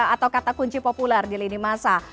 atau kata kunci populer di lini masa